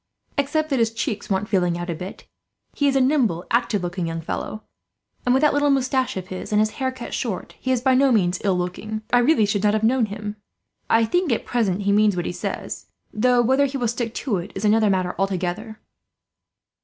Except that his cheeks want filling out a bit, he is a nimble, active looking young fellow; and with that little moustache of his, and his hair cut short, he is by no means ill looking. I really should not have known him. I think at present he means what he says, though whether he will stick to it is another matter, altogether."